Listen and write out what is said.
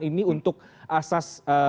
ini untuk asas